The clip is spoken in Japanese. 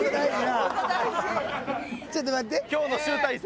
ちょっと待って。